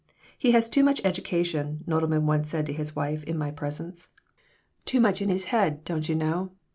"He has too much education," Nodelman once said to his wife in my presence. "Too much in his head, don't you know.